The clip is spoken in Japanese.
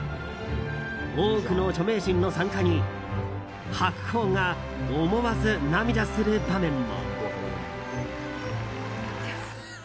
多くの著名人の参加に白鵬が思わず涙する場面も。